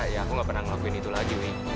ya aku gak pernah ngelakuin itu lagi nih